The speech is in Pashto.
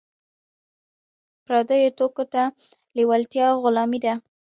پردیو توکو ته لیوالتیا غلامي ده.